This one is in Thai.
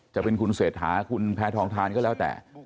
จะเป็นคุณเศรษฐาคุณแพทองทานก็แล้วแต่